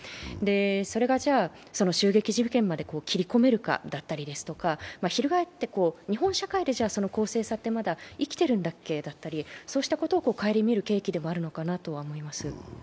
それが襲撃事件まで切り込めるかだったりですとか、翻って日本社会でその公正さって生きてるんだっけと、そうしたことをかえりみる契機でもあるのかなと思います。